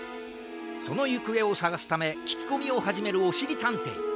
そのゆくえをさがすためききこみをはじめるおしりたんてい。